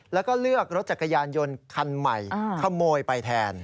แล้วก็เลือกรถจักรยานยนต์คันใหม่ขโมยไปแทน